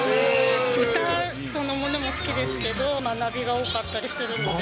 歌そのものも好きですけど、学びが多かったりするので。